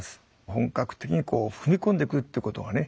本格的に踏み込んでくるっていうことがね